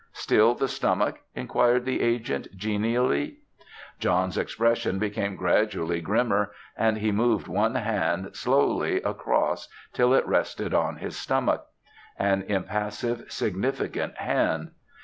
"Still the stomach?" inquired the agent, genially. John's expression became gradually grimmer, and he moved one hand slowly across till it rested on his stomach. An impassive, significant hand.